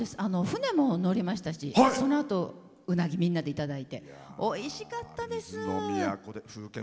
船も乗りましたしそのあと、うなぎみんなでいただいておいしかったです！